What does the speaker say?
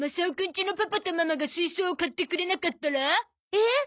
えっ？